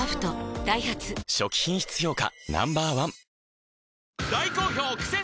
ダイハツ初期品質評価